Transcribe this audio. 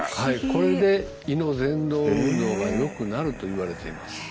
これで胃のぜん動運動がよくなるといわれています。